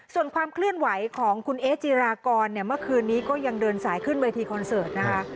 ส่วนความเคลื่อนไหวของคุณเอ๊จีรากรเนี่ยเมื่อคืนนี้ก็ยังเดินสายขึ้นเวทีคอนเสิร์ตนะคะ